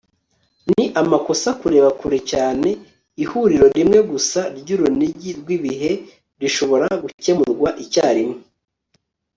ni amakosa kureba kure cyane. ihuriro rimwe gusa ry'urunigi rw'ibihe rishobora gukemurwa icyarimwe